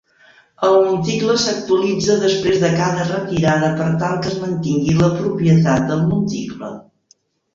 El monticle s'actualitza després de cada retirada per tal que es mantingui la propietat del monticle.